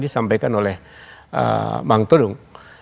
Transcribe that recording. disampaikan oleh bang tulung